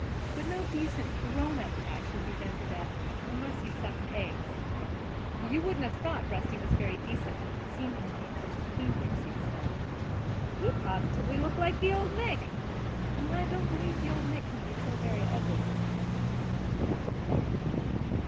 But no decent, grown up cat should be done to death—unless he sucks eggs." "You wouldn't have thought Rusty very decent if you'd seen him when he came here," said Stella. "He positively looked like the Old Nick." "I don't believe Old Nick can be so very, ugly" said Aunt Jamesina reflectively.